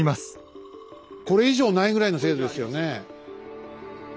これ以上ないぐらいの精度ですよね。